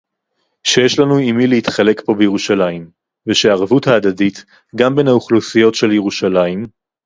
שיש לנו עם מי להתחלק פה בירושלים; ושהערבות ההדדית גם בין האוכלוסיות של ירושלים